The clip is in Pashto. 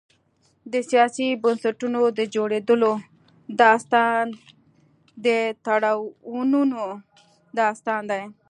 د سیاسي بنسټونو د جوړېدو داستان د تړونونو داستان دی.